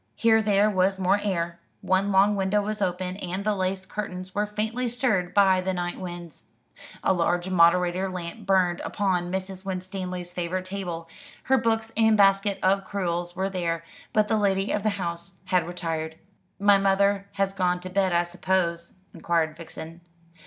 Here there was more air; one long window was open, and the lace curtains were faintly stirred by the night winds. A large moderator lamp burned upon Mrs. Winstanley's favourite table her books and basket of crewels were there, but the lady of the house had retired. "My mother has gone to bed, I suppose?" inquired Vixen.